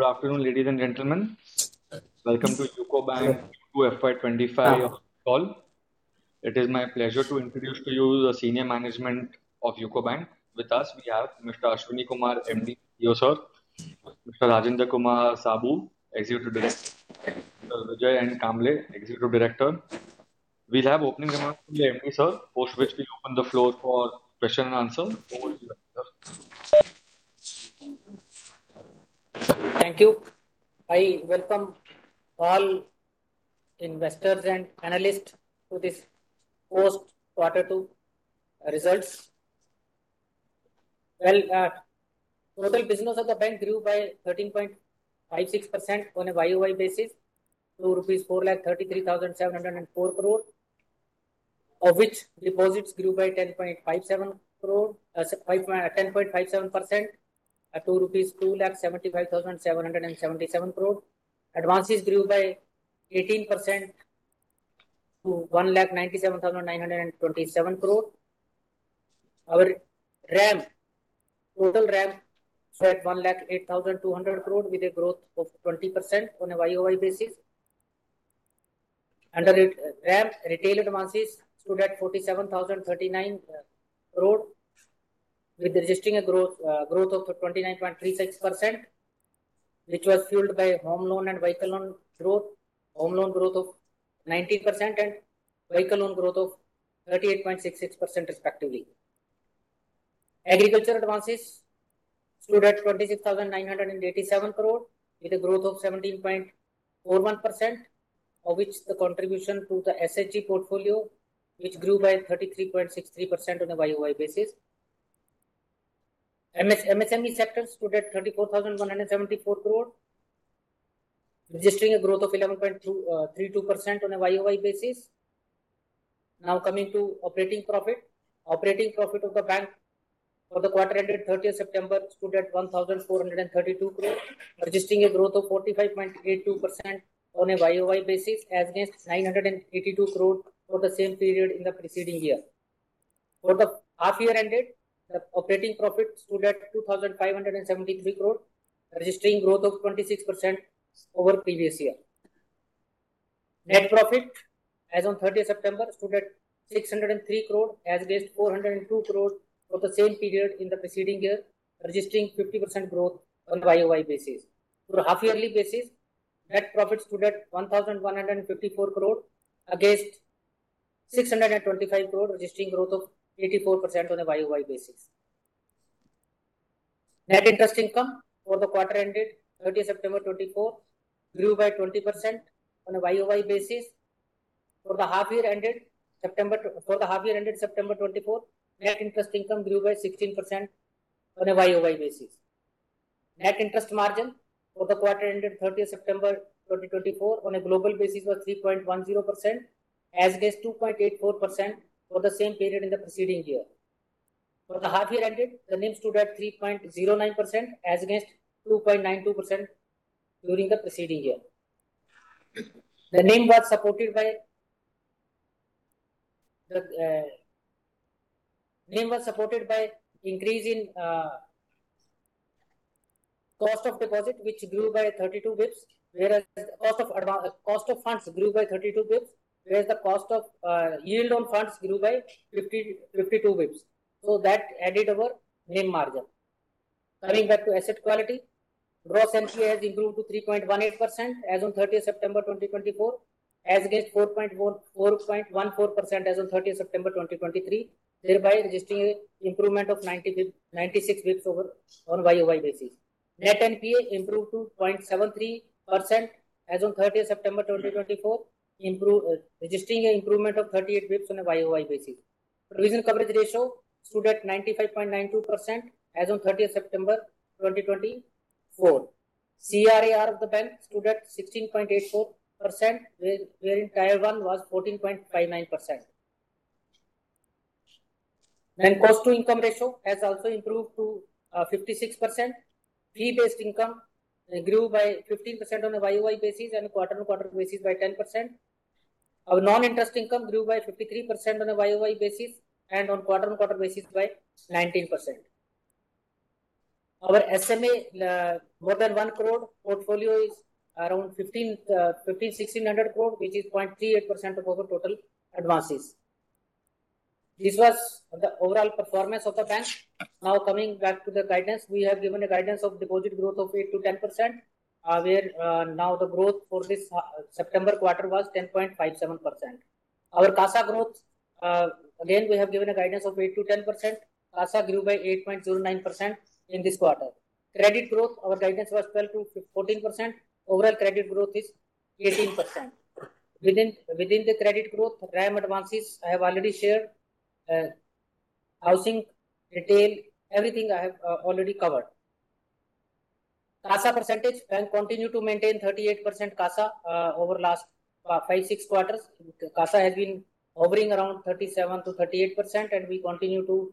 Good afternoon, ladies and gentlemen. Welcome to UCO Bank Q2 FY 2025 call. It is my pleasure to introduce to you the senior management of UCO Bank. With us, we have Mr. Ashwani Kumar, MD. Hello, sir. Mr. Rajendra Kumar Saboo, Executive Director. Mr. Vijay N. Kamble, Executive Director. We'll have opening remarks from the MD sir, post which we'll open the floor for question and answer. Over to you, sir. Thank you. I welcome all investors and analysts to this post quarter two results. Total business of the bank grew by 13.56% on a YOY basis, rupees 2,04,33,704 crore, of which deposits grew by 10.57% at 2,02,75,777 crore rupees. Advances grew by 18% to 1,97,927 crore. Our RAM, total RAM, stood at 1,08,200 crore, with a growth of 20% on a YOY basis. Under it, RAM, retail advances stood at 47,039 crore, registering a growth of 29.36%, which was fueled by home loan and vehicle loan growth. Home loan growth of 19% and vehicle loan growth of 38.66%, respectively. Agriculture advances stood at 26,987 crore, with a growth of 17.41%, of which the contribution to the SHG portfolio, which grew by 33.63% on a YOY basis. MSME sector stood at 34,174 crore, registering a growth of 11.23% on a YOY basis. Now, coming to operating profit. Operating profit of the bank for the quarter ended thirtieth September stood at 1,432 crore, registering a growth of 45.82% on a YOY basis, against 982 crore for the same period in the preceding year. For the half year ended, the operating profit stood at 2,573 crore, registering growth of 26% over previous year. Net profit, as on thirtieth September, stood at 603 crore, as against 402 crore for the same period in the preceding year, registering 50% growth on a YOY basis. For a half yearly basis, net profit stood at 1,154 crore, against 625 crore, registering growth of 84% on a YOY basis. Net interest income for the quarter ended thirtieth September 2024 grew by 20% on a YOY basis. For the half year ended September 2024, net interest income grew by 16% on a YOY basis. Net interest margin for the quarter ended thirtieth September twenty twenty-four, on a global basis, was 3.10%, against 2.84% for the same period in the preceding year. For the half year ended, the NIM stood at 3.09%, against 2.92% during the preceding year. The NIM was supported by increase in cost of deposit, which grew by thirty-two basis points, whereas cost of funds grew by thirty-two basis points, whereas the cost of yield on funds grew by fifty-two basis points. So that added our NIM margin. Coming back to asset quality, gross NPA has improved to 3.18% as on thirtieth September 2024, against 4.1, 4.14% as on thirtieth September 2023, thereby registering an improvement of 96 basis points over on YOY basis. Net NPA improved to 0.73% as on thirtieth September 2024, registering an improvement of 38 basis points on a YOY basis. Provision coverage ratio stood at 95.92% as on thirtieth September 2024. CRAR of the bank stood at 16.84%, wherein Tier I was 14.59%. Cost-to-income ratio has also improved to 56%. Fee-based income grew by 15% on a YOY basis, and quarter-on-quarter basis by 10%. Our non-interest income grew by 53% on a YOY basis, and on quarter-on-quarter basis by 19%. Our SMA more than 1 crore portfolio is around 1,500-1,600 crore, which is 0.38% of our total advances. This was the overall performance of the bank. Now, coming back to the guidance, we have given a guidance of deposit growth of 8%-10%, where now the growth for this September quarter was 10.57%. Our CASA growth, again, we have given a guidance of 8%-10%. CASA grew by 8.09% in this quarter. Credit growth, our guidance was 12%-14%. Overall, credit growth is 18%. Within the credit growth RAM advances, I have already shared housing, retail, everything I have already covered. CASA percentage, bank continue to maintain 38% CASA over last five, six quarters. CASA has been hovering around 37%-38%, and we continue to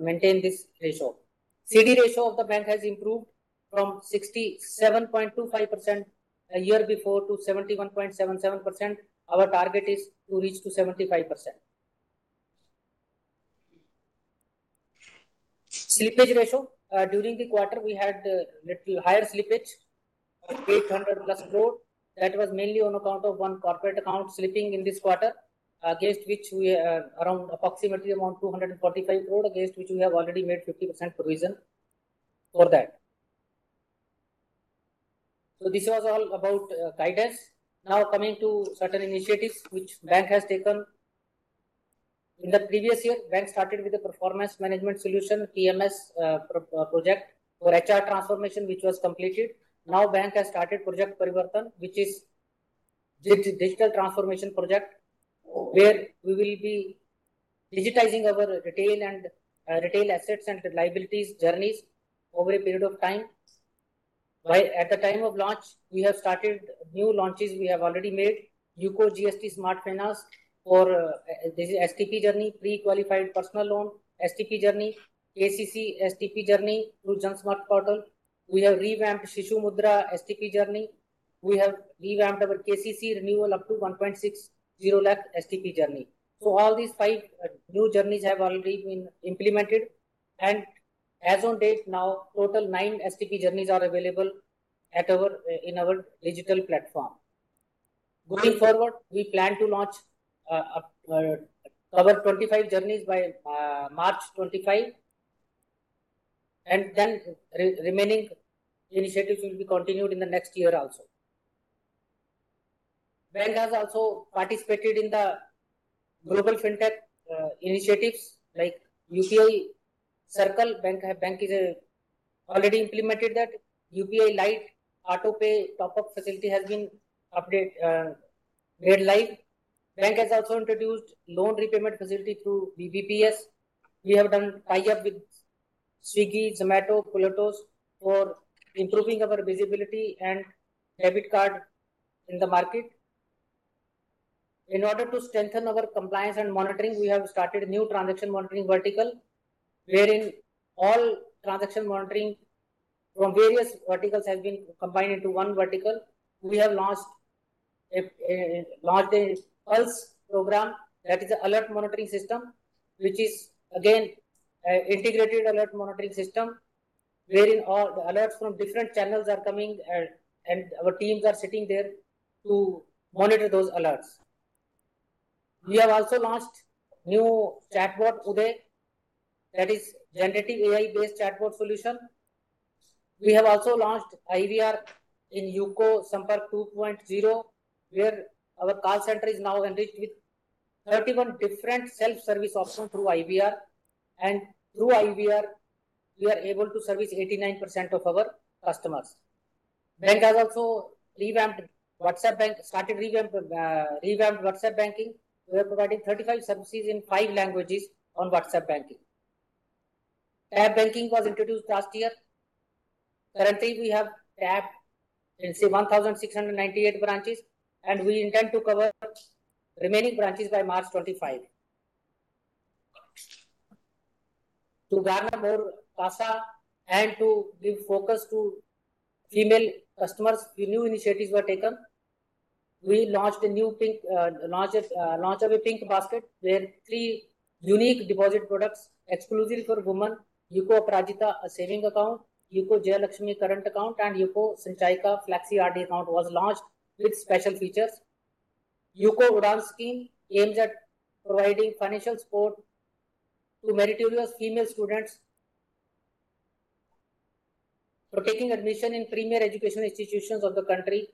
maintain this ratio. CD ratio of the bank has improved from 67.25% a year before to 71.77%. Our target is to reach to 75%. Slippage ratio during the quarter, we had a little higher slippage, 800+ crore. That was mainly on account of one corporate account slipping in this quarter, against which we around approximately 245 crore, against which we have already made 50% provision for that. So this was all about guidance. Now, coming to certain initiatives which bank has taken. In the previous year, bank started with a Performance Management Solution, PMS, project for HR transformation, which was completed. Now, bank has started Project Parivartan, which is digital transformation project, where we will be digitizing our retail assets and liabilities journeys over a period of time. While at the time of launch, we have started new launches we have already made: UCO GST Smart Finance for this STP journey, pre-qualified personal loan STP journey, KCC STP journey through Jan Samarth Portal. We have revamped Shishu Mudra STP journey. We have revamped our KCC renewal up to 1.60 lakh STP journey. So all these five new journeys have already been implemented, and as on date, now total nine STP journeys are available at our in our digital platform. Going forward, we plan to launch over 25 journeys by March 2025, and then remaining initiatives will be continued in the next year also. Bank has also participated in the global fintech initiatives like UPI Circle. Bank has already implemented that. UPI Lite Autopay top-up facility has been updated made live. Bank has also introduced loan repayment facility through BBPS. We have done tie-up with Swiggy, Zomato, Plutus for improving our visibility and debit card in the market. In order to strengthen our compliance and monitoring, we have started new transaction monitoring vertical, wherein all transaction monitoring from various verticals has been combined into one vertical. We have launched a Pulse program, that is an alert monitoring system, which is again an integrated alert monitoring system, wherein all the alerts from different channels are coming and our teams are sitting there to monitor those alerts. We have also launched new chatbot, Uday, that is generative AI-based chatbot solution. We have also launched IVR in UCO Sampark 2.0, where our call center is now enriched with 31 different self-service options through IVR, and through IVR, we are able to service 89% of our customers. Bank has also revamped WhatsApp banking. We are providing 35 services in five languages on WhatsApp banking. Tab banking was introduced last year. Currently, we have it in, say, 1,698 branches, and we intend to cover remaining branches by March 2025. To gather more CASA and to give focus to female customers, few new initiatives were taken. We launched a new pink basket, where three unique deposit products exclusively for women, UCO Aparajita, a savings account, UCO Jayalakshmi, current account, and UCO Sanchayika Flexi RD account was launched with special features. UCO Udaan scheme aims at providing financial support to meritorious female students for taking admission in premier educational institutions of the country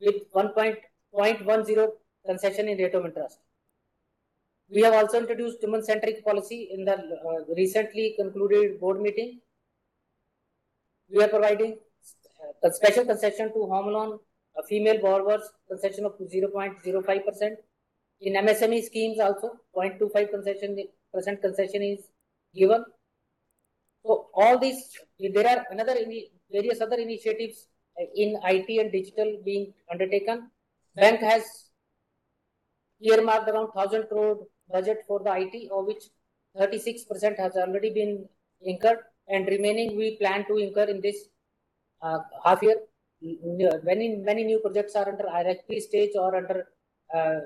with 1.10 concession in rate of interest. We have also introduced women-centric policy in the recently concluded board meeting. We are providing a special concession to home loan female borrowers, concession of 0.05%. In MSME schemes, also 0.25% concession is given. So all these, there are another various other initiatives in IT and digital being undertaken. Bank has earmarked around 1,000 crore budget for the IT, of which 36% has already been incurred, and remaining we plan to incur in this half year. Many, many new projects are under RFP stage or under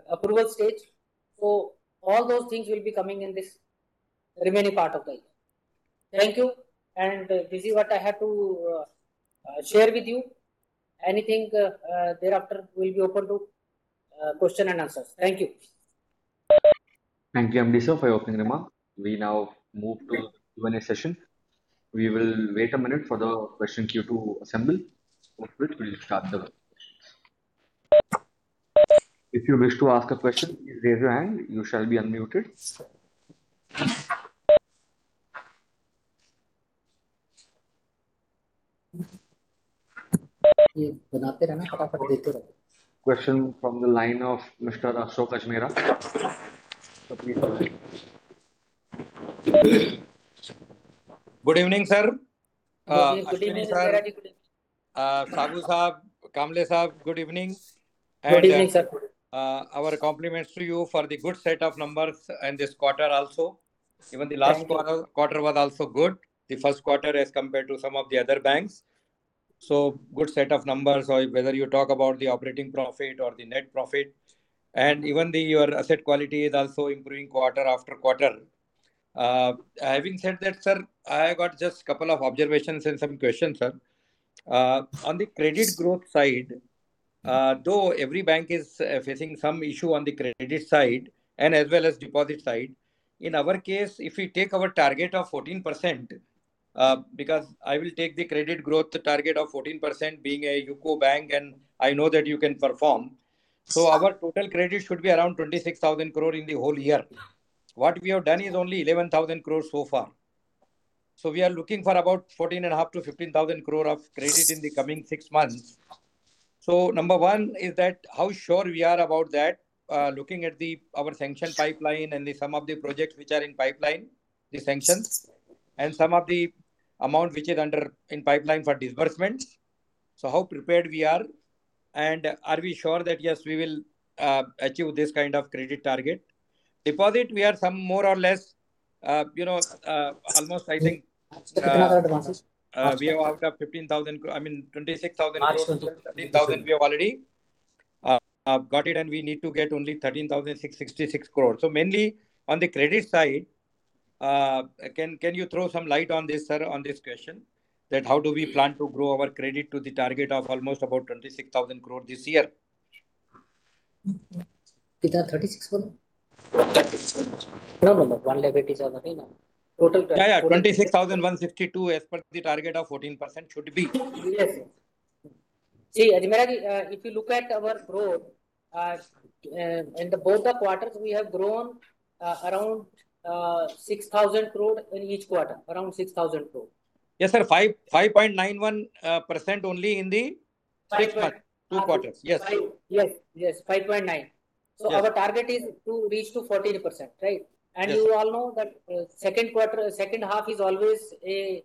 approval stage, so all those things will be coming in this remaining part of the year. Thank you, and this is what I have to share with you. Anything thereafter will be open to question and answers. Thank you. Thank you, MD sir, for your opening remark. We now move to Q&A session. We will wait a minute for the question queue to assemble, after which we'll start the questions. If you wish to ask a question, raise your hand. You shall be unmuted. Question from the line of Mr. Ashok Ajmera. Please go ahead. Good evening, sir. Good evening, sir. Saboo Sahab, Kamble Sahab, good evening. Good evening, sir. Our compliments to you for the good set of numbers in this quarter also. Even the last quarter was also good, the first quarter as compared to some of the other banks, so good set of numbers, or whether you talk about the operating profit or the net profit, and even your asset quality is also improving quarter after quarter. Having said that, sir, I got just couple of observations and some questions, sir. On the credit growth side, though every bank is facing some issue on the credit side and as well as deposit side, in our case, if we take our target of 14%, because I will take the credit growth target of 14% being a UCO Bank, and I know that you can perform. Yes. Our total credit should be around 26,000 crore in the whole year. What we have done is only 11,000 crore so far. We are looking for about 14.5-15,000 crore of credit in the coming six months. Number one is that how sure we are about that, looking at our sanction pipeline and some of the projects which are in pipeline, the sanctions, and some of the amount which is under in pipeline for disbursements. How prepared we are, and are we sure that, yes, we will achieve this kind of credit target? Deposit, we are some more or less, you know, almost I think- Advances. We have out of, I mean, twenty-six thousand crores, thirteen thousand we have already got it, and we need to get only thirteen thousand six hundred sixty-six crores. So mainly on the credit side, can you throw some light on this, sir, on this question, that how do we plan to grow our credit to the target of almost about twenty-six thousand crore this year? Thirty-six crore? No, no, no, one lakh eighty thousand, I think now. Total- Yeah, yeah, 26,152, as per the target of 14% should be. Yes. See, Ajmera ji, if you look at our growth, in the both the quarters, we have grown, around, six thousand crore in each quarter. Around six thousand crore. Yes, sir, 5.91% only in the six months- Five- Two quarters. Yes. Yes, yes, 5.9. Yes. So our target is to reach to 14%, right? Yes. And you all know that, second quarter, second half is always a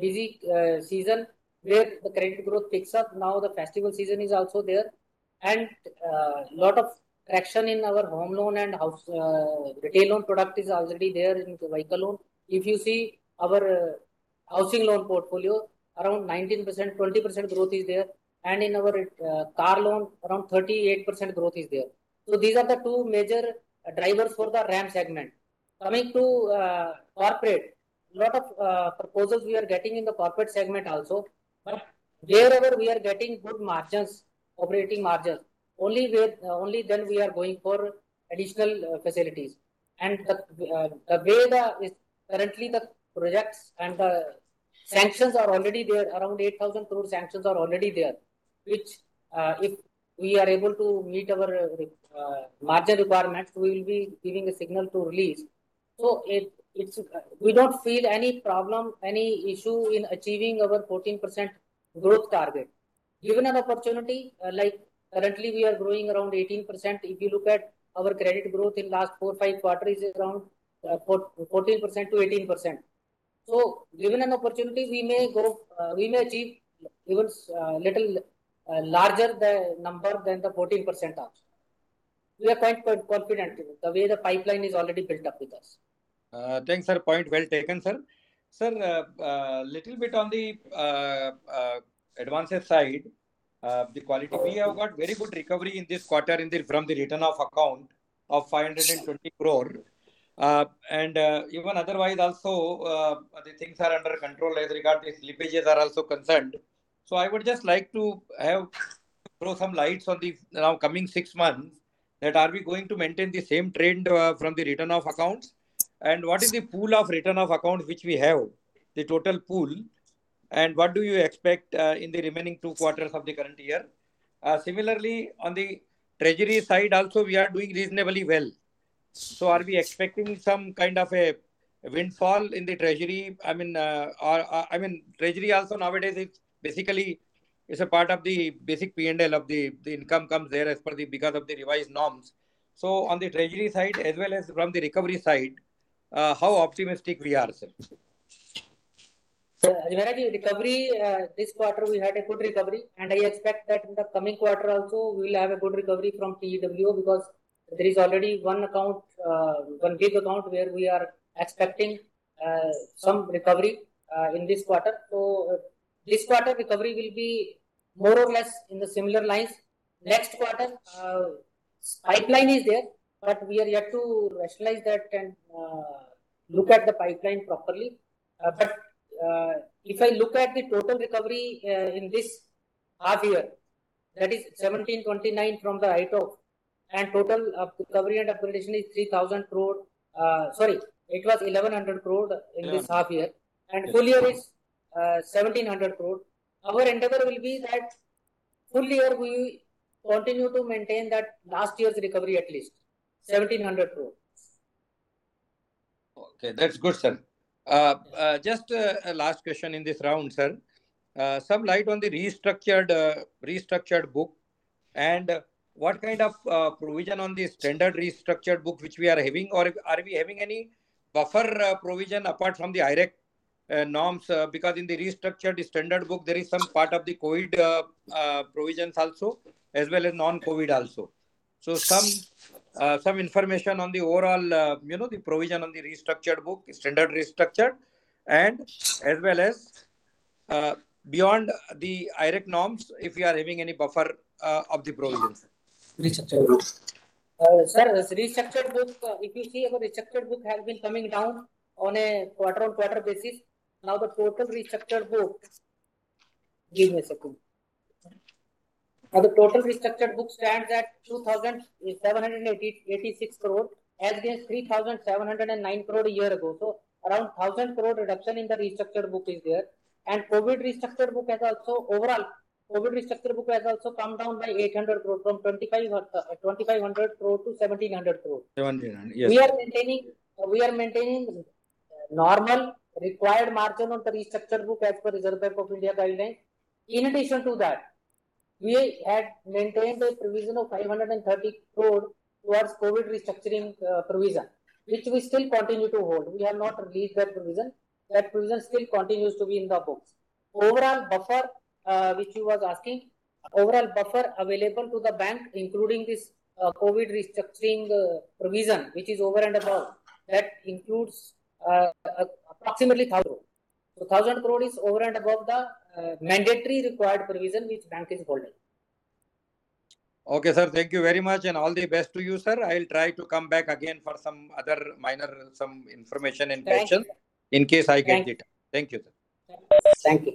busy season where the credit growth picks up. Now, the festival season is also there, and, lot of traction in our home loan and housing retail loan product is already there in the vehicle loan. If you see our housing loan portfolio, around 19%-20% growth is there, and in our car loan, around 38% growth is there. So these are the two major drivers for the RAM segment. Coming to corporate, lot of proposals we are getting in the corporate segment also, but wherever we are getting good margins, operating margins, only then we are going for additional facilities. The way it is currently the projects and the sanctions are already there. Around 8,000 crore sanctions are already there, which, if we are able to meet our margin requirements, we will be giving a signal to release. So it's we don't feel any problem, any issue in achieving our 14% growth target. Given an opportunity, like currently we are growing around 18%, if you look at our credit growth in last four, five quarters is around 4-14% to 18%. So given an opportunity, we may grow, we may achieve even little larger the number than the 14% also. We are quite confident the way the pipeline is already built up with us. Thanks, sir. Point well taken, sir. Sir, little bit on the advances side, the quality. We have got very good recovery in this quarter in the from the written-off account of 520 crore. And even otherwise also, the things are under control as regard to slippages are also concerned. So I would just like to have throw some lights on the now coming six months, that are we going to maintain the same trend from the return of accounts? And what is the pool of return of accounts which we have, the total pool, and what do you expect in the remaining two quarters of the current year? Similarly, on the treasury side, also, we are doing reasonably well. So are we expecting some kind of a windfall in the treasury? I mean, or, I mean, treasury also nowadays it's basically, it's a part of the basic P&L of the, the income comes there as per the because of the revised norms. So on the treasury side, as well as from the recovery side, how optimistic we are, sir? Ajmera ji, recovery this quarter we had a good recovery, and I expect that in the coming quarter also, we will have a good recovery from PEWO because there is already one account, one big account where we are expecting some recovery in this quarter. This quarter, recovery will be more or less in the similar lines. Next quarter, pipeline is there, but we are yet to rationalize that and look at the pipeline properly. But if I look at the total recovery in this half year, that is 1,729 from the ITOF, and total of recovery and upgradation is 3,000 crore, sorry, it was 1,100 crore- Yeah... in this half year, and full year is 1,700 crore. Our endeavor will be that full year we continue to maintain that last year's recovery, at least 1,700 crore. Okay, that's good, sir. Just a last question in this round, sir. Some light on the restructured book, and what kind of provision on the standard restructured book, which we are having? Or are we having any buffer provision apart from the IRAC norms? Because in the restructured standard book, there is some part of the COVID provisions also, as well as non-COVID also. So some information on the overall, you know, the provision on the restructured book, standard restructured, and as well as beyond the IRAC norms, if you are having any buffer of the provision, sir. Restructured books. Sir, restructured book, if you see our restructured book has been coming down on a quarter-on-quarter basis. Now, the total restructured book stands at 2,786 crore, as against 3,709 crore a year ago. So around 1,000 crore reduction in the restructured book is there. And COVID restructured book has also, overall, COVID restructured book has also come down by 800 crore, from 2,500 crore to 1,700 crore. Seventeen hundred, yes. We are maintaining normal required margin on the restructured book as per Reserve Bank of India guidelines. In addition to that, we had maintained a provision of 530 crore towards COVID restructuring provision, which we still continue to hold. We have not released that provision. That provision still continues to be in the books. Overall buffer which you was asking, overall buffer available to the bank, including this COVID restructuring provision, which is over and above, that includes approximately 1,000 crore. So 1,000 crore is over and above the mandatory required provision which bank is holding. Okay, sir. Thank you very much, and all the best to you, sir. I'll try to come back again for some other minor, some information and question- Thank you. In case I get it. Thank you, sir. Thank you.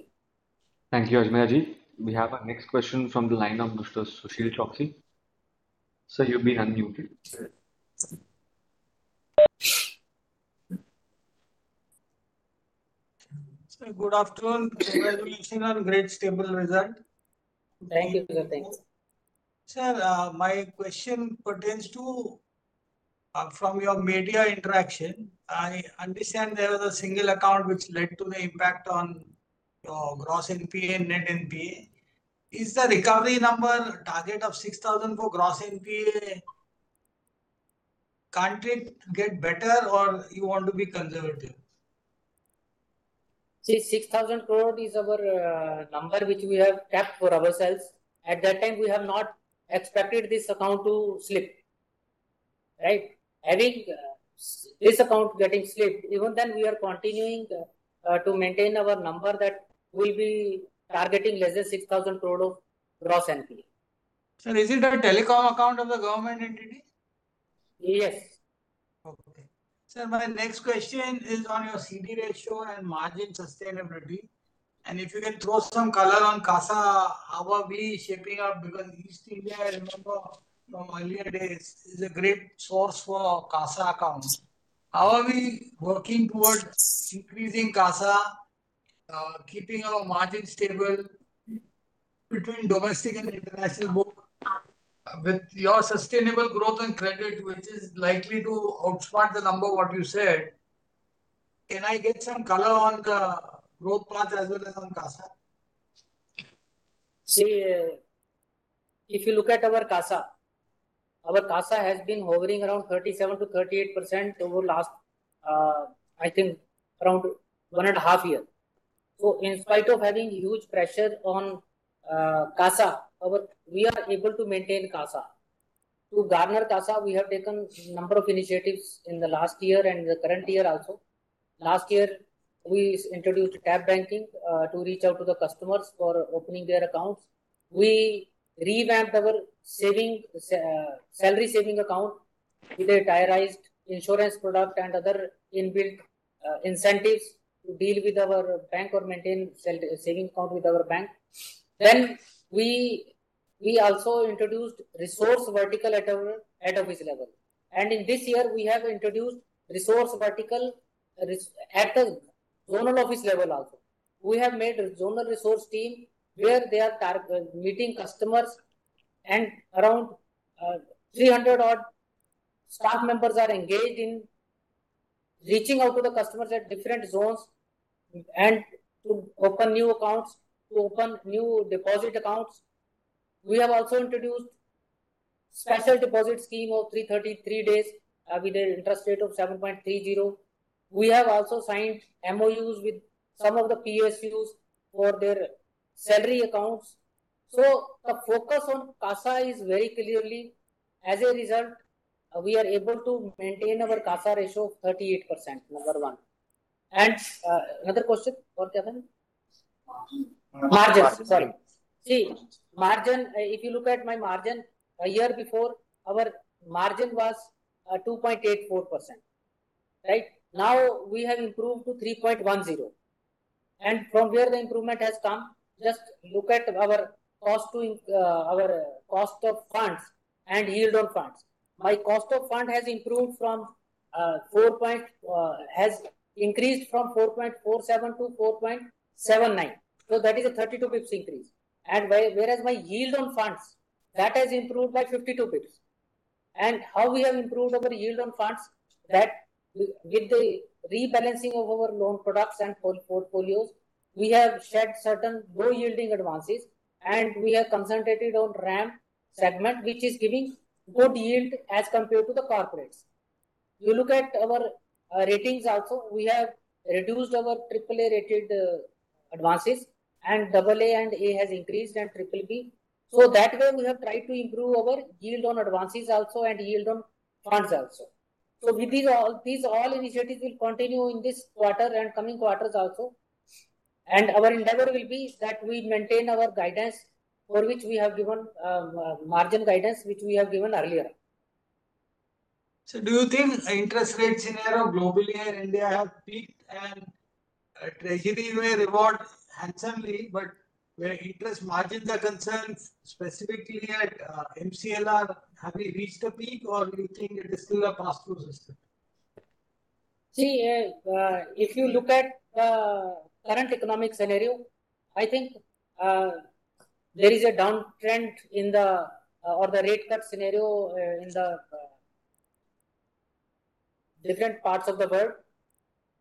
Thank you, Ajmera ji. We have our next question from the line of Mr. Sushil Choksey. Sir, you've been unmuted. Sir, good afternoon. Congratulations on great stable result. Thank you, sir. Thank you. Sir, my question pertains to from your media interaction. I understand there was a single account which led to the impact on gross NPA and net NPA. Is the recovery number target of six thousand for gross NPA, can't it get better, or you want to be conservative? See, 6,000 crore is our number, which we have kept for ourselves. At that time, we have not expected this account to slip, right? Having this account getting slipped, even then, we are continuing to maintain our number that we'll be targeting less than 6,000 crore of gross NPA. Sir, is it a telecom account of the government entity? Yes. Okay. Sir, my next question is on your CD ratio and margin sustainability. And if you can throw some color on CASA, how are we shaping up? Because East India, I remember from earlier days, is a great source for CASA accounts. How are we working towards increasing CASA, keeping our margin stable between domestic and international book? With your sustainable growth and credit, which is likely to outsmart the number what you said, can I get some color on the growth path as well as on CASA? See, if you look at our CASA, our CASA has been hovering around 37%-38% over last, I think around one and a half year. So in spite of having huge pressure on CASA, we are able to maintain CASA. To garner CASA, we have taken number of initiatives in the last year and the current year also. Last year, we introduced tab banking to reach out to the customers for opening their accounts. We revamped our salary savings account with a tiered insurance product and other inbuilt incentives to deal with our bank or maintain savings account with our bank. Then we also introduced resource vertical at our head office level. In this year, we have introduced resource vertical at a zonal office level also. We have made a zonal resource team where they are meeting customers, and around three hundred odd staff members are engaged in reaching out to the customers at different zones, and to open new accounts, to open new deposit accounts. We have also introduced special deposit scheme of 333 days with an interest rate of 7.30%. We have also signed MOUs with some of the PSUs for their salary accounts. So the focus on CASA is very clearly, as a result, we are able to maintain our CASA ratio of 38%, number one. And another question, what the other one? Margin. Margin, sorry. See, margin, if you look at my margin, a year before, our margin was 2.84%, right? Now, we have improved to 3.10%. From where the improvement has come, just look at our cost of funds and yield on funds. My cost of fund has increased from 4.47 to 4.79. So that is a 32 basis points increase. Whereas my yield on funds, that has improved by 52 basis points. And how we have improved our yield on funds? That with the rebalancing of our loan products and portfolios, we have shed certain low-yielding advances, and we have concentrated on RAM segment, which is giving good yield as compared to the corporates. You look at our ratings also. We have reduced our triple A rated advances, and double A and A has increased, and triple B. So that way, we have tried to improve our yield on advances also and yield on funds also. So with these all initiatives will continue in this quarter and coming quarters also. And our endeavor will be that we maintain our guidance for which we have given margin guidance, which we have given earlier. So do you think interest rates scenario globally and India have peaked and treasury may reward handsomely, but where interest margins are concerned, specifically at MCLR, have we reached the peak or do you think it is still a pass-through system? See, if you look at current economic scenario, I think there is a downtrend in the rate cut scenario in the different parts of the world.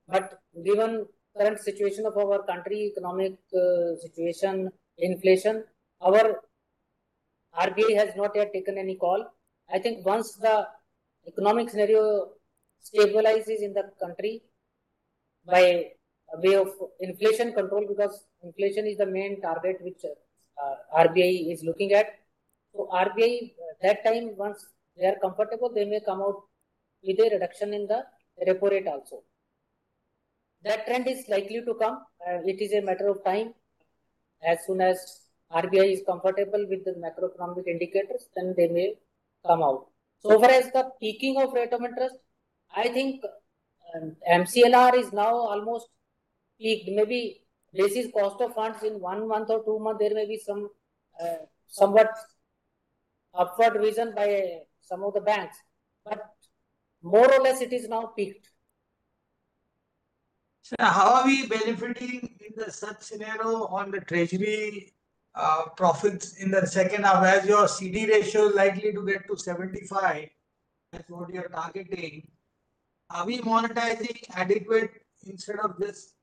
But given current situation of our country, economic situation, inflation, our RBI has not yet taken any call. I think once the economic scenario stabilizes in the country by way of inflation control, because inflation is the main target which RBI is looking at. So RBI that time, once they are comfortable, they may come out with a reduction in the repo rate also. That trend is likely to come, it is a matter of time. As soon as RBI is comfortable with the macroeconomic indicators, then they may come out. So as far as the peaking of rate of interest, I think MCLR is now almost peaked. Maybe basis cost of funds in one month or two months, there may be some, somewhat upward revision by some of the banks, but more or less it is now peaked. How are we benefiting in the such scenario on the treasury, profits in the second half as your CD ratio is likely to get to 75, that's what you're targeting? Are we monetizing adequate instead of just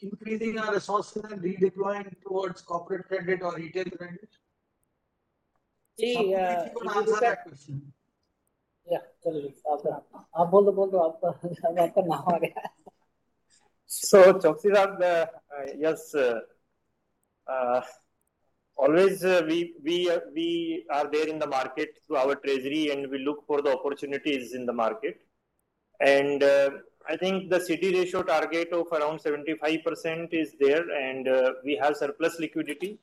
increasing our resources and redeploying towards corporate credit or retail credit? See, uh- Answer that question. Yeah, tell me. Now I get. So Choksey, yes, always we are there in the market through our treasury, and we look for the opportunities in the market. And I think the CD ratio target of around 75% is there, and we have surplus liquidity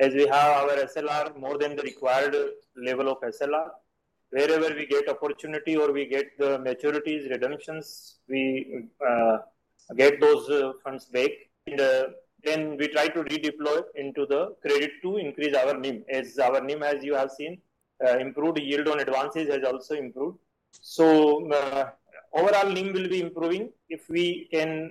as we have our SLR more than the required level of SLR. Wherever we get opportunity or we get the maturities redemptions, we get those funds back. And then we try to redeploy into the credit to increase our NIM. As our NIM, as you have seen, improved, yield on advances has also improved. So overall NIM will be improving if we can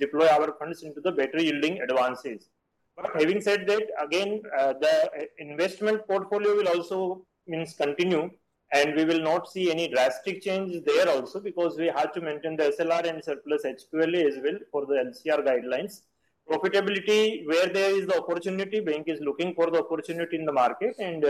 deploy our funds into the better yielding advances. But having said that, again, the investment portfolio will also means continue, and we will not see any drastic changes there also because we have to maintain the SLR and surplus HQLA as well for the LCR guidelines. Profitability, where there is the opportunity, bank is looking for the opportunity in the market and,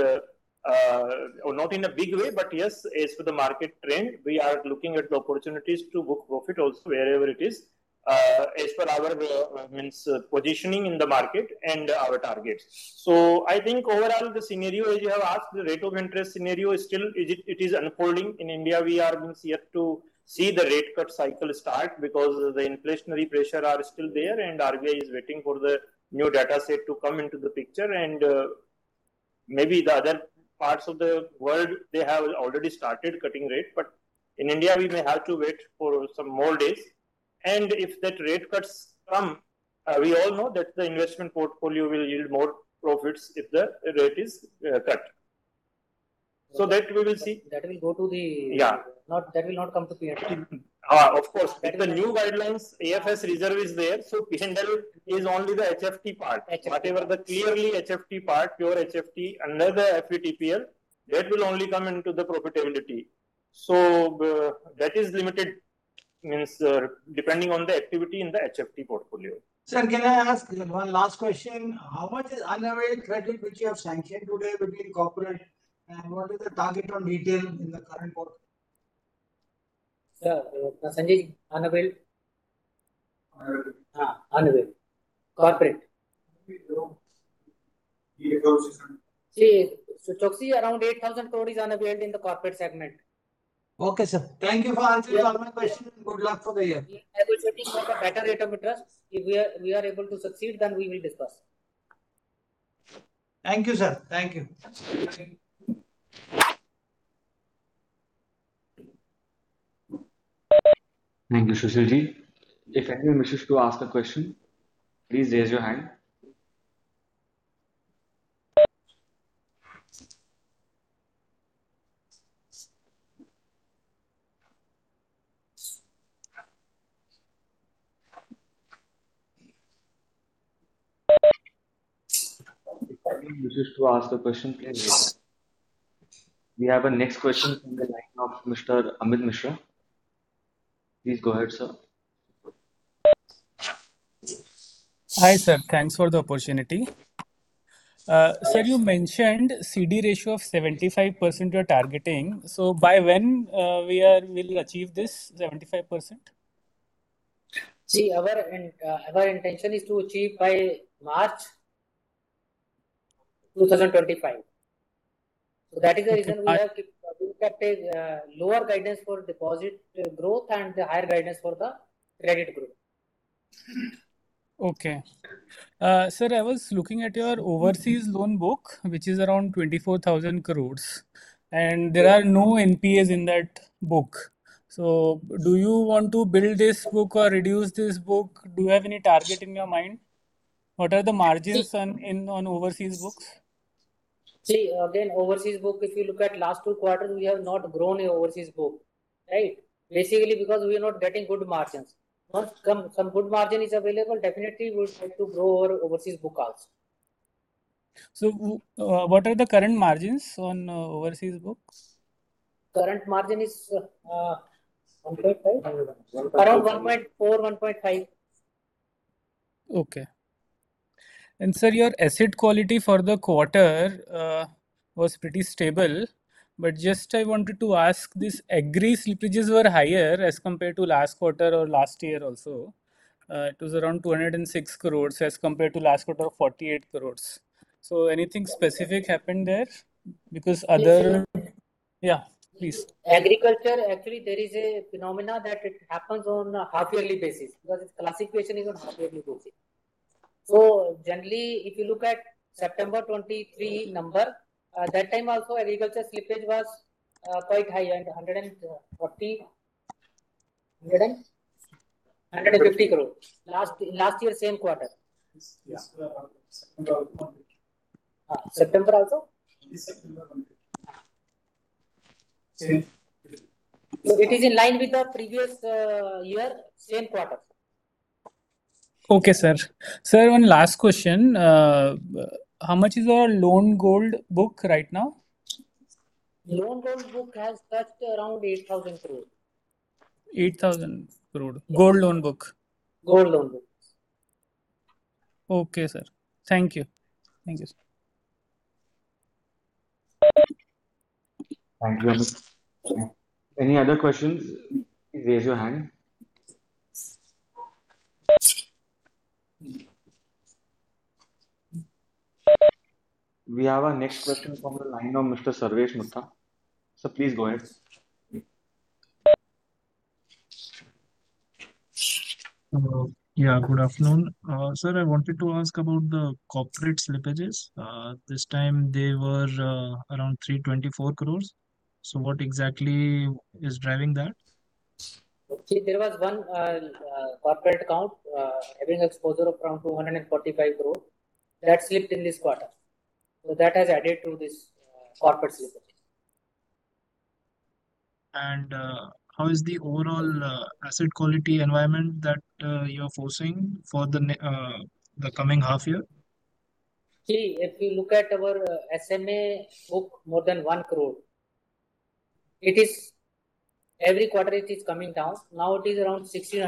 not in a big way, but yes, as for the market trend, we are looking at the opportunities to book profit also wherever it is, as per our means positioning in the market and our targets. So I think overall, the scenario, as you have asked, the rate of interest scenario is still... It is unfolding. In India, we have yet to see the rate cut cycle start because the inflationary pressures are still there and RBI is waiting for the new data set to come into the picture. And maybe the other parts of the world, they have already started cutting rates, but in India, we may have to wait for some more days. And if that rate cuts come, we all know that the investment portfolio will yield more profits if the rate is cut. So that we will see. That will go to the- Yeah. Not. That will not come to PHT. Of course. That is- With the new guidelines, AFS reserve is there, so HTM is only the HFT part. HFT. Whatever the clearly HFT part, pure HFT, under the FTTPL, that will only come into the profitability. So, that is limited, means, depending on the activity in the HFT portfolio. Sir, can I ask one last question? How much is unavailable credit which you have sanctioned today between corporate, and what is the target on retail in the current quarter? Sanjay, unavailable? Available. Unavailable. Corporate. Eight thousand. Choksey, around 8,000 crore is unavailable in the corporate segment. Okay, sir. Thank you for answering all my questions, and good luck for the year. We are looking for a better rate of interest. If we are, we are able to succeed, then we will discuss. Thank you, sir. Thank you. Thank you, Sushil Ji. If anyone wishes to ask a question, please raise your hand. We have a next question from the line of Mr. Amit Mishra. Please go ahead, sir.... Hi, sir. Thanks for the opportunity. Sir, you mentioned CD ratio of 75% you are targeting. So by when will you achieve this 75%? See, our intention is to achieve by March 2025. So that is the reason we have looked at a lower guidance for deposit growth and the higher guidance for the credit growth. Okay. Sir, I was looking at your overseas loan book, which is around 24,000 crores, and there are no NPAs in that book. So do you want to build this book or reduce this book? Do you have any target in your mind? What are the margins on overseas books? See, again, overseas book, if you look at last two quarters, we have not grown any overseas book, right? Basically, because we are not getting good margins. Once some good margin is available, definitely we will try to grow our overseas book also. What are the current margins on overseas books? Current margin is 1.5%. Around 1.4-1.5%. Okay. And sir, your asset quality for the quarter was pretty stable. But just I wanted to ask, these agri slippages were higher as compared to last quarter or last year also. It was around 206 crores as compared to last quarter of 48 crores. So anything specific happened there? Because other- Yes, sir. Yeah, please. Agriculture, actually, there is a phenomenon that it happens on a half-yearly basis, because its classification is on half-yearly basis. So generally, if you look at September twenty-three number, that time also, agriculture slippage was quite high, around a hundred and forty, hundred and fifty crore. Last year, same quarter. Yes, September also. September also? This September Okay, sir. Sir, one last question. How much is your gold loan book right now? Gold loan book has touched around eight thousand crore. 8,000 crore. Gold loan book? Gold loan book. Okay, sir. Thank you. Thank you, sir. Thank you, Amit. Any other questions, raise your hand. We have our next question from the line of Mr. Sarvesh Gupta. Sir, please go ahead. Yeah, good afternoon. Sir, I wanted to ask about the corporate slippages. This time they were around 324 crore. So what exactly is driving that? See, there was one corporate account having exposure of around 245 crore that slipped in this quarter. So that has added to this corporate slippage. How is the overall asset quality environment that you are foresee for the coming half year? See, if you look at our SMA book, more than one crore, it is... Every quarter, it is coming down. Now it is around sixteen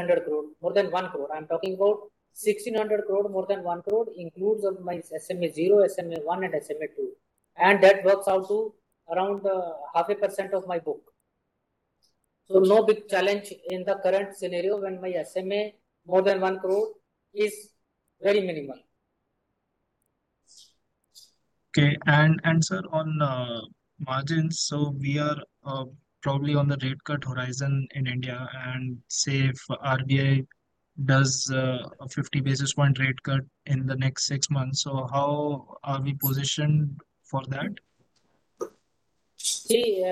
hundred crore, more than one crore. I'm talking about sixteen hundred crore, more than one crore, includes of my SMA zero, SMA one, and SMA two, and that works out to around 0.5% of my book. So no big challenge in the current scenario when my SMA, more than one crore, is very minimal. Okay. And, sir, on margins, so we are probably on the rate cut horizon in India, and say, if RBI does a fifty basis point rate cut in the next six months, so how are we positioned for that? See,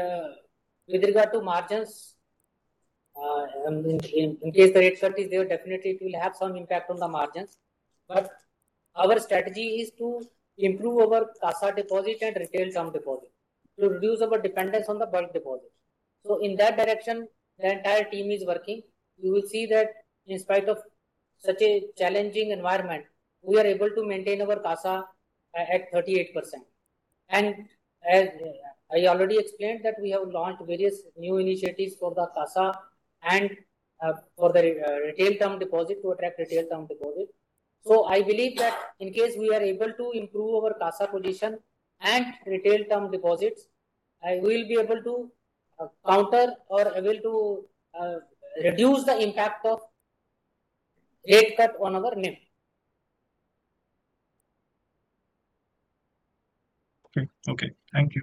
with regard to margins, in case the rate cut is there, definitely it will have some impact on the margins. But our strategy is to improve our CASA deposit and retail term deposit, to reduce our dependence on the bulk deposit. So in that direction, the entire team is working. You will see that in spite of such a challenging environment, we are able to maintain our CASA at 38%. And as I already explained, that we have launched various new initiatives for the CASA and for the retail term deposit, to attract retail term deposit. So I believe that in case we are able to improve our CASA position and retail term deposits, I will be able to counter or able to reduce the impact of rate cut on our NIM. Okay. Okay, thank you.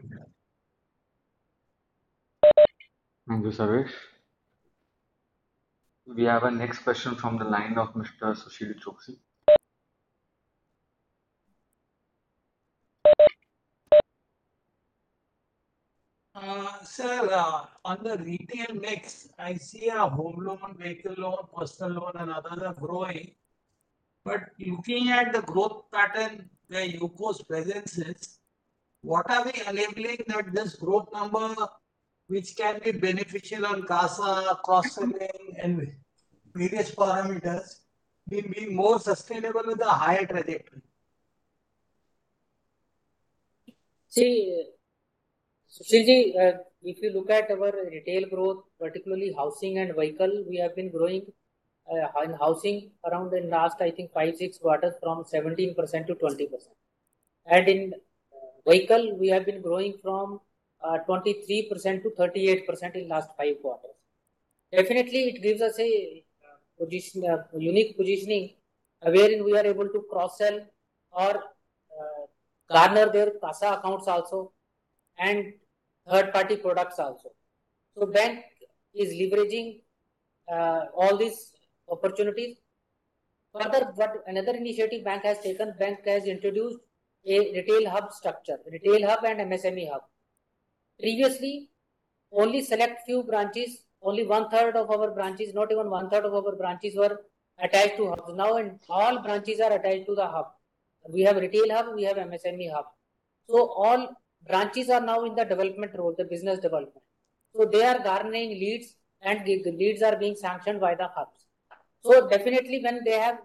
Thank you, Sarvesh. We have our next question from the line of Mr. Sushil Choksey. On the retail mix, I see our home loan, vehicle loan, personal loan, and other are growing. But looking at the growth pattern where UCO's presence is, what are we enabling that this growth number, which can be beneficial on CASA, cost saving, and various parameters, will be more sustainable with a higher trajectory?... See, Sushil Ji, if you look at our retail growth, particularly housing and vehicle, we have been growing in housing around the last, I think, five, six quarters from 17% to 20%. And in vehicle, we have been growing from 23% to 38% in last five quarters. Definitely, it gives us a position unique positioning wherein we are able to cross-sell or garner their CASA accounts also, and third-party products also. So bank is leveraging all these opportunities. Further, what another initiative bank has taken, bank has introduced a retail hub structure, retail hub and MSME hub. Previously, only select few branches, only one-third of our branches, not even one-third of our branches were attached to hubs. Now, all branches are attached to the hub. We have retail hub, we have MSME hub. So all branches are now in the development role, the business development. So they are garnering leads, and the leads are being sanctioned by the hubs. So definitely when they have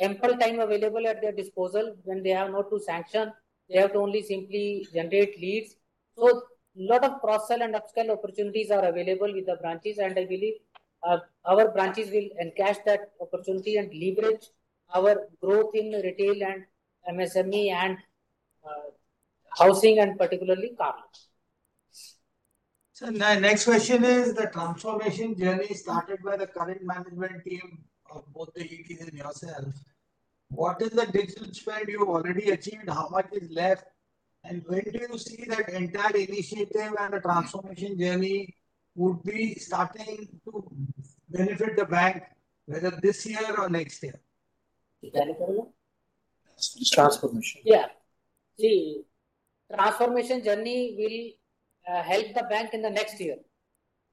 ample time available at their disposal, when they have not to sanction, they have to only simply generate leads. So a lot of cross-sell and upsell opportunities are available with the branches, and I believe our branches will encash that opportunity and leverage our growth in retail and MSME and housing and particularly cars. Sir, my next question is the transformation journey started by the current management team of both the YPs and yourself. What is the digital spend you've already achieved? How much is left, and when do you see that entire initiative and the transformation journey would be starting to benefit the bank, whether this year or next year? Can I call you? Transformation. Yeah. See, transformation journey will help the bank in the next year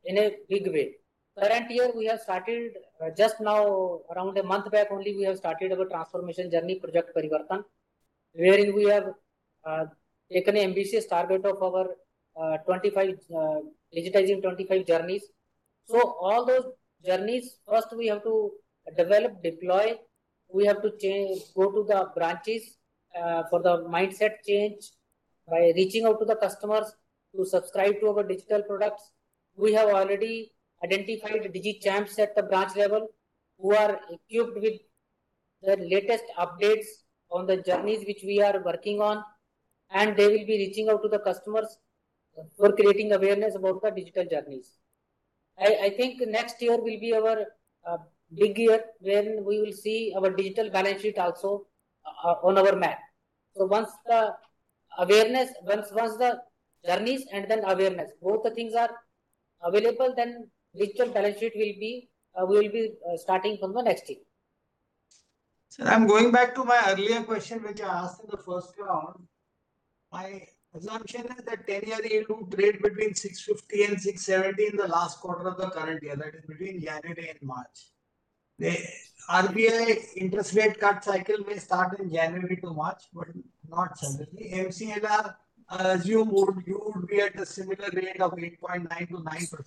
in a big way. Current year, we have started just now, around a month back only, we have started our transformation journey, Project Parivartan, wherein we have taken an ambitious target of our twenty-five digitizing twenty-five journeys. So all those journeys, first we have to develop, deploy. We have to change, go to the branches for the mindset change by reaching out to the customers to subscribe to our digital products. We have already identified the Digi Champs at the branch level, who are equipped with the latest updates on the journeys which we are working on, and they will be reaching out to the customers for creating awareness about the digital journeys. I think next year will be our big year, when we will see our digital balance sheet also on our map. So once the awareness, the journeys and then awareness, both the things are available, then digital balance sheet will be starting from the next year. Sir, I'm going back to my earlier question, which I asked in the first round. My assumption is that ten-year yield will trade between 6.50% and 6.70% in the last quarter of the current year, that is between January and March. The RBI interest rate cut cycle may start in January to March, but not certainly. MCLR, I assume, would, you would be at a similar rate of 8.9%-9%.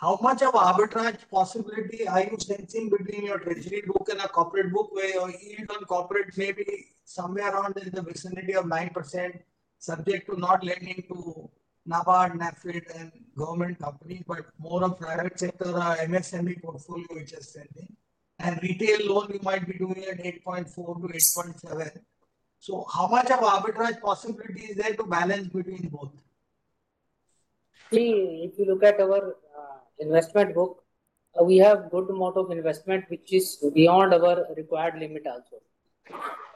How much of arbitrage possibility are you sensing between your treasury book and a corporate book, where your yield on corporate may be somewhere around in the vicinity of 9%, subject to not lending to NABARD, NAFED and government company, but more of private sector, MSME portfolio, which is lending. Retail loan, you might be doing at 8.4%-8.7%. How much of arbitrage possibility is there to balance between both? See, if you look at our, investment book, we have good amount of investment, which is beyond our required limit also.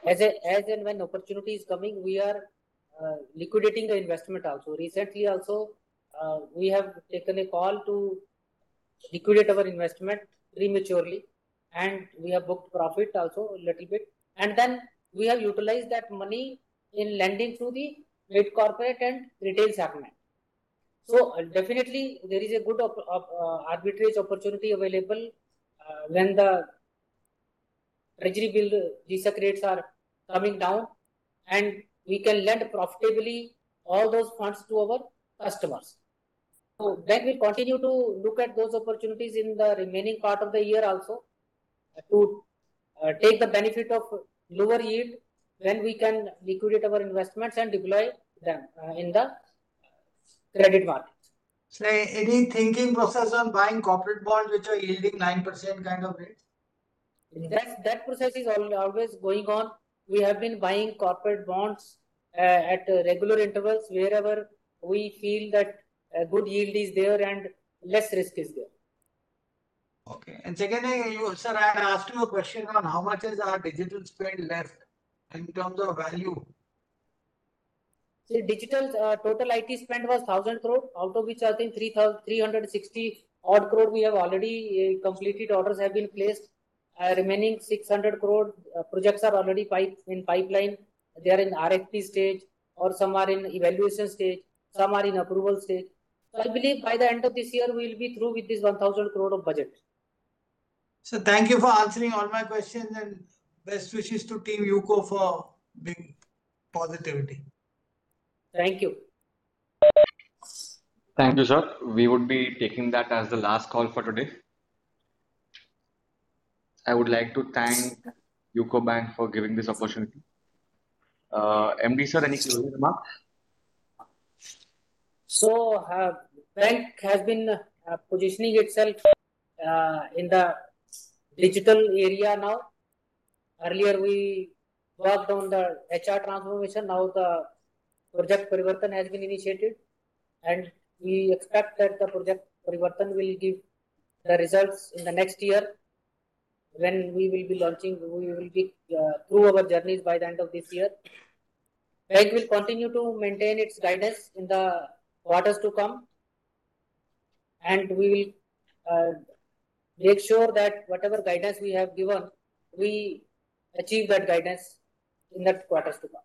As and when opportunity is coming, we are, liquidating the investment also. Recently also, we have taken a call to liquidate our investment prematurely, and we have booked profit also a little bit, and then we have utilized that money in lending to the large corporate and retail segment. So definitely, there is a good arbitrage opportunity available, when the treasury bill G-Sec rates are coming down, and we can lend profitably all those funds to our customers. So bank will continue to look at those opportunities in the remaining part of the year also, to, take the benefit of lower yield when we can liquidate our investments and deploy them, in the credit market. Sir, any thinking process on buying corporate bonds which are yielding 9% kind of rates? That process is always going on. We have been buying corporate bonds at regular intervals, wherever we feel that a good yield is there and less risk is there. Okay. And secondly, you, sir, I had asked you a question on how much is our digital spend left in terms of value? See, digital, total IT spend was 1,000 crore, out of which I think 360-odd crore, we have already, completed orders have been placed. Remaining 600 crore, projects are already in pipeline. They are in RFP stage, or some are in evaluation stage, some are in approval stage. So I believe by the end of this year, we will be through with this 1,000 crore of budget. Sir, thank you for answering all my questions, and best wishes to Team UCO for being positive. Thank you. Thank you, sir. We would be taking that as the last call for today. I would like to thank UCO Bank for giving this opportunity. MD, sir, any closing remarks? Bank has been positioning itself in the digital arena now. Earlier, we worked on the HR transformation. Now the Project Parivartan has been initiated, and we expect that the Project Parivartan will give the results in the next year, when we will be launching. We will be through our journeys by the end of this year. Bank will continue to maintain its guidance in the quarters to come, and we will make sure that whatever guidance we have given, we achieve that guidance in the quarters to come.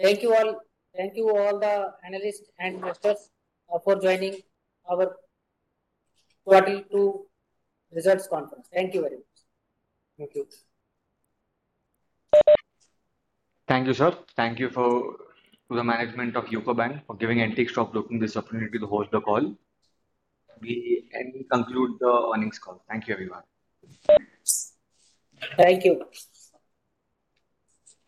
Thank you, all. Thank you all the analysts and investors for joining our quarterly two results conference. Thank you very much. Thank you. Thank you, sir. Thank you to the management of UCO Bank for giving Antique Stock Broking this opportunity to host the call. We conclude the earnings call. Thank you, everyone. Thank you.